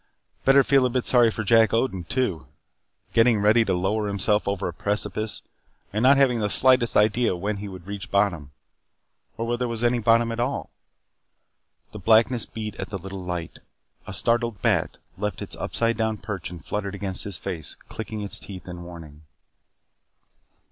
Better feel a bit sorry for Jack Odin too. Getting ready to lower himself over a precipice, and not having the slightest idea when he would reach bottom. Or whether there was any bottom at all. The blackness beat at the little light. A startled bat left its upside down perch and fluttered against his face, clicking its teeth in warning.